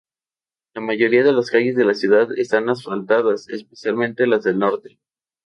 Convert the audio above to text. La mayoría de las calles de la ciudad están asfaltadas, especialmente las del norte.